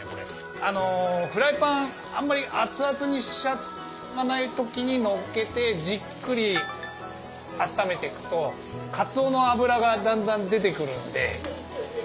あのフライパンあんまり熱々にしちゃわない時にのっけてじっくりあっためてくとかつおの脂がだんだん出てくるんで。